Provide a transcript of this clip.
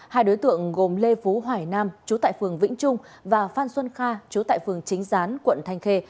hai đối tượng gồm lê phú hoài nam chú tại phường vĩnh trung và phan xuân kha chú tại phường chính gián quận thanh khê